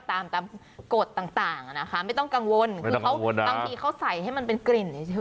ตามกฎต่างนะคะไม่ต้องกังวลบางทีเขาใส่ให้มันเป็นกลิ่นเลยเฉย